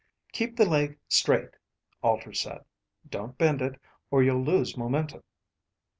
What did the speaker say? "Keep the leg straight," Alter said. "Don't bend it, or you'll loose momentum."